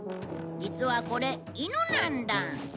実はこれ犬なんだ。